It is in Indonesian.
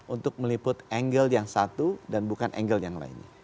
untuk meliput angle yang satu dan bukan angle yang lainnya